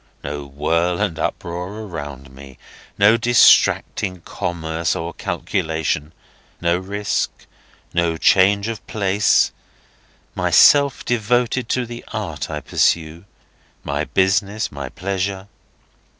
No whirl and uproar around me, no distracting commerce or calculation, no risk, no change of place, myself devoted to the art I pursue, my business my pleasure."